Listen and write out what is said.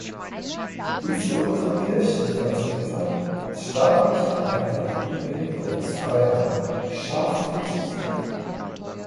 Dies wurde von Kirchenvertretern als staatlicher Eingriff in die Religionsfreiheit scharf kritisiert.